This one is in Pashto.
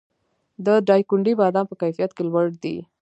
د دایکنډي بادام په کیفیت کې لوړ دي